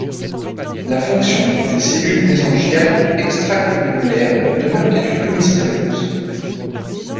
La fonction des cellules mésangiales extraglomérulaires demeure quelque peu mystérieuse.